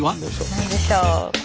何でしょう。